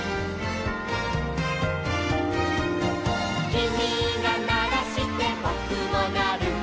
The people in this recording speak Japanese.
「きみがならしてぼくもなる」